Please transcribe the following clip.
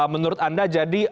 menurut anda jadi